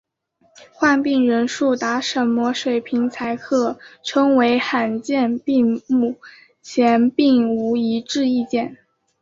患病人数达什么水平才可称为罕见病目前并无一致意见。